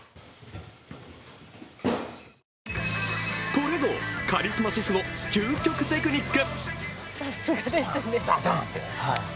これぞ、カリスマシェフの究極テクニック。